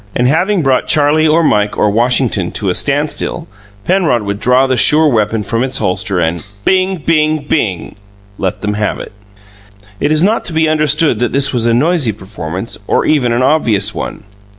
And having brought Charlie or Mike or Washington to a standstill, Penrod would draw the sure weapon from its holster and "Bing! Bing! Bing!" let them have it. It is not to be understood that this was a noisy performance, or even an obvious one.